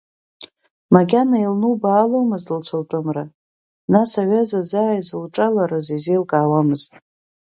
Макьана илнубааломызт лцәалтәымра, нас аҩаза заа изылҿаларыз изеилкаауамызт.